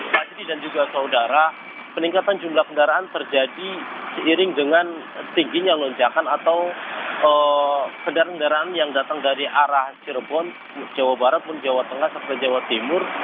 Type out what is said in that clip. pak didi dan juga saudara peningkatan jumlah kendaraan terjadi seiring dengan tingginya lonjakan atau kendaraan kendaraan yang datang dari arah cirebon jawa barat pun jawa tengah sampai jawa timur